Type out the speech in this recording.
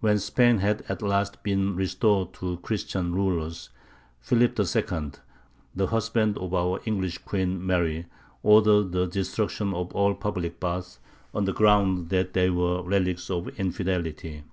When Spain had at last been restored to Christian rulers, Philip II., the husband of our English Queen Mary, ordered the destruction of all public baths, on the ground that they were relics of infidelity.